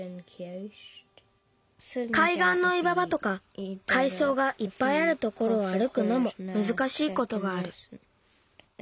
かいがんのいわばとかかいそうがいっぱいあるところをあるくのもむずかしいことがある。